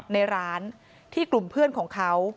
ในร้านที่กลุ่มเพื่อนของเขา